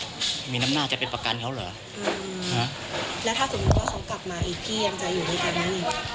มีน้ำหน้าจะเป็นประกันเขาเหรอแล้วถ้าสมมุติว่าเขากลับมาอีกพี่ยังจะอยู่ด้วยกันไหม